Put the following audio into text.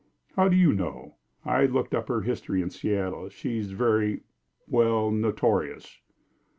"How do you know?" "I looked up her history in Seattle. She is very well, notorious."